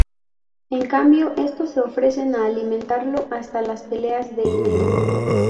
En cambio, estos se ofrecen a alimentarlo hasta las peleas de enero.